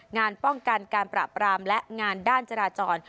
งานป้องกันการปราบรามและงานด้านจราจร